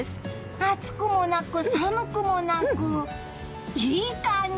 暑くもなく寒くもなくいい感じ！